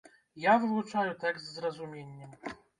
Я вывучаю тэкст з разуменнем.